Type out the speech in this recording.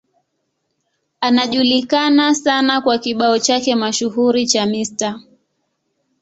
Anajulikana sana kwa kibao chake mashuhuri cha Mr.